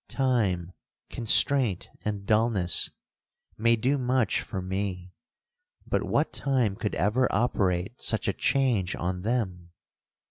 Time, constraint, and dullness, may do much for me, but what time could ever operate such a change on them!